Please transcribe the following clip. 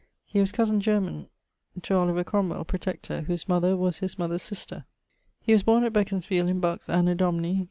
He was cosen germane to Oliver Cromwell, Protector, whose mother was his mother's sister. He was borne at Beconsfield, in Bucks, Anno Domini